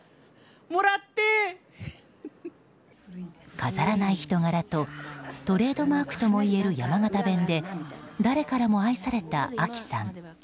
飾らない人柄とトレードマークともいえる山形弁で誰からも愛された、あきさん。